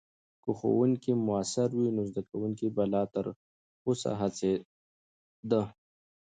که ښوونکې مؤثرې وي، نو زدکونکي به لا تر اوسه هڅیده وي.